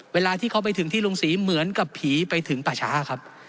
เวลาที่เขาไปถึงที่ลุงศรีเหมือนกับผีไปถึงป่าช้าครับ